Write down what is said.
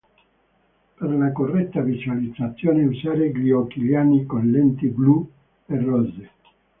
Per la corretta visualizzazione usare gli occhialini con lenti blu e rosse.